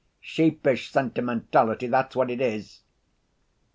Sheepish sentimentality, that's what it is!"